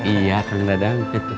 iya kang dadang